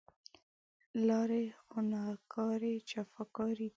لارې خونکارې، جفاکارې دی